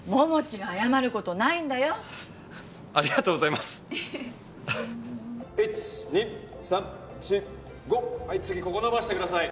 はい次ここ伸ばしてください。